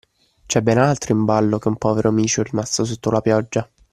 C’è ben altro in ballo che un povero micio rimasto sotto la pioggia